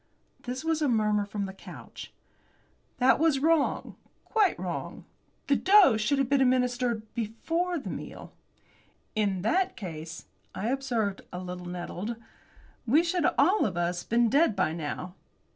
This was a murmur from the couch. "That was wrong quite wrong. The dose should have been administered before the meal." "In that case," I observed, a little nettled, "we should all of us been dead by now."